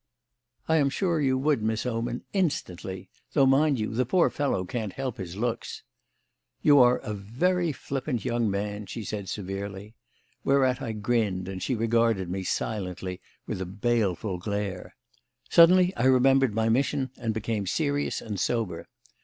"I am sure you would, Miss Oman, instantly; though, mind you, the poor fellow can't help his looks." "You are a very flippant young man," she said severely. Whereat I grinned, and she regarded me silently with a baleful glare. Suddenly I remembered my mission and became serious and sober.